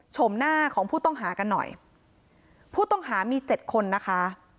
หน้าของผู้ต้องหากันหน่อยผู้ต้องหามีเจ็ดคนนะคะ